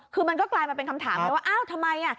คือมันก็กลายมาเป็นคำถามไงว่าอ้าวทำไม